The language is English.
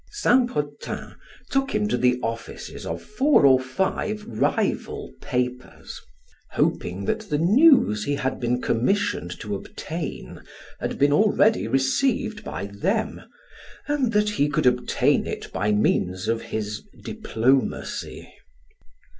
Saint Potin took him to the offices of four or five rival papers, hoping that the news he had been commissioned to obtain had been already received by them and that he could obtain it by means of his diplomacy.